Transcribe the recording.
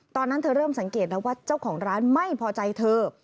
ตอนนั้นเธอเริ่มสังเกตแล้วว่าเจ้าของร้านไม่พอใจเธอ